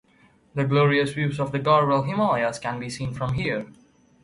The glorious views of the Garhwal Himalayas can be seen from here.